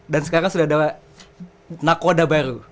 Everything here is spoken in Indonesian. dan sekarang sudah ada nakoda baru